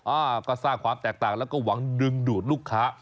อ่าก็สร้างความแตกต่างแล้วก็หวังดึงดูดลูกค้า